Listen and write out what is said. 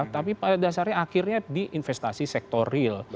tapi pada dasarnya akhirnya di investasi sektor real